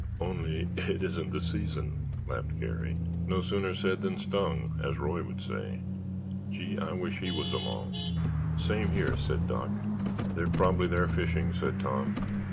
"Only it isn't the season," laughed Garry. "No sooner said than stung, as Roy would say. Gee, I wish he was along!" "Same here," said Doc. "They're probably there fishing," said Tom.